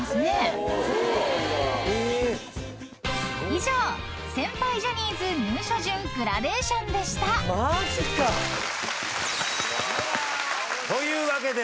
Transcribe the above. ［以上先輩ジャニーズ入所順グラデーションでした］というわけで。